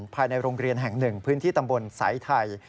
ภายในโรงเรียนแห่งหนึ่งพื้นที่ตำบลสายไทย